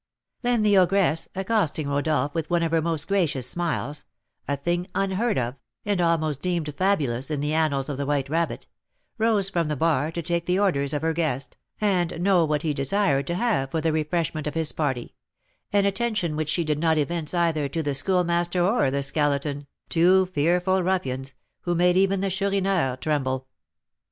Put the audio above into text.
Then the ogress, accosting Rodolph with one of her most gracious smiles, a thing unheard of, and almost deemed fabulous, in the annals of the White Rabbit, rose from the bar to take the orders of her guest, and know what he desired to have for the refreshment of his party, an attention which she did not evince either to the Schoolmaster or the Skeleton, two fearful ruffians, who made even the Chourineur tremble.